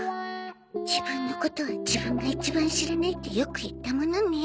自分のことは自分が一番知らないってよく言ったものね。